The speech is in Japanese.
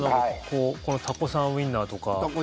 このタコさんウインナーとか。